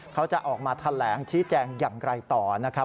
เขาจะออกมาแถลงชี้แจงอย่างไรต่อนะครับ